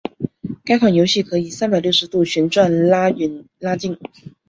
该款游戏可以三百六十度旋转拉远拉近。